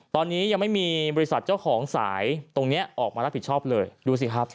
ตอนนี้ยังไม่มีบริษัทเจ้าของสายตรงนี้ออกมารับผิดชอบเลยดูสิครับ